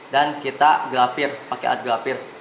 dan kita grafir pakai alat grafir